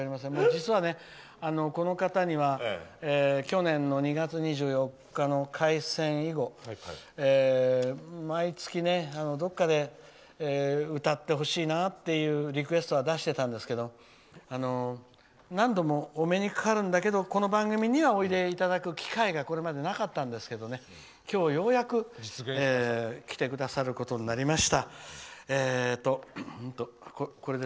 実はね、この方には去年の２月２４日の開戦以後毎月、どこかで歌ってほしいなというリクエストは出してたんですけど何度もお目にかかるんだけどこの番組にはおいでいただく機会がこれまでなかったんですが今日はようやく来てくださることになりました。